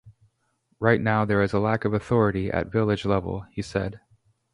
Right now there is a lack of authority at village level, he said.